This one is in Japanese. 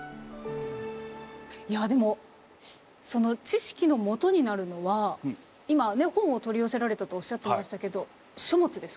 いやでもその知識のもとになるのは今ね本を取り寄せられたとおっしゃっていましたけど書物ですか？